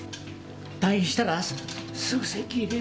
退院したらすぐ籍入れようね。